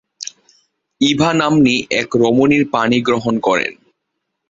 ইভা নাম্নী এক রমণীর পাণিগ্রহণ করেন।